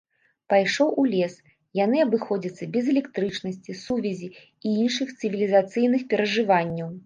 Пайшоўшы ў лес, яны абыходзяцца без электрычнасці, сувязі і іншых цывілізацыйных перажыванняў.